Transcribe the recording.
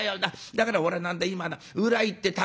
だから俺は何だ今な裏行って竹」。